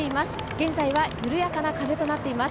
現在は緩やかな風となっています。